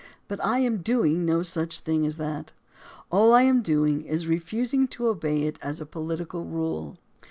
But I am doing no such thing as that; all that I am doing is refusing to obey it as a political rule.